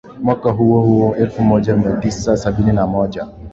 Mwaka huo huo elfu moja mia tisa sabini na moja